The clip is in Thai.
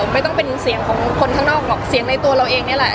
ไม่ต้องเป็นเสียงของคนข้างนอกหรอกเสียงในตัวเราเองนี่แหละ